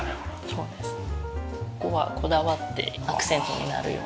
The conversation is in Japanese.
そうですね。